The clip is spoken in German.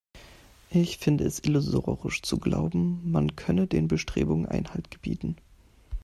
Ich finde es illusorisch zu glauben, man könne den Bestrebungen Einhalt gebieten.